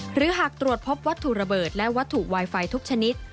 หรือหากตรวจพบวัตถุระเบิดและวัตถุไวไฟทุกชนิด